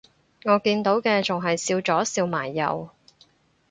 我見到嘅仲係笑咗笑埋右